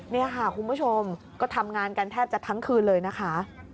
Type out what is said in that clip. นี่ค่ะคุณผู้ชมก็ทำงานกันแทบจะทั้งคืนเลยนะคะ